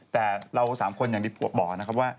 แต่เรา๓คนอย่างที่บอกนะครับว่า